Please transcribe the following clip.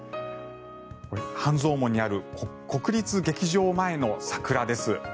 これ、半蔵門にある国立劇場前の桜です。